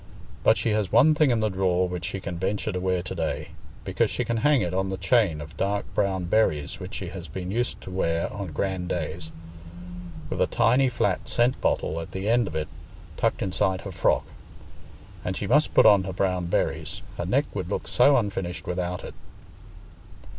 But she has one thing in the drawer which she can venture to wear to day, because she can hang it on the chain of dark brown berries which she has been used to wear on grand days, with a tiny flat scent bottle at the end of it tucked inside her frock; and she must put on her brown berries—her neck would look so unfinished without it.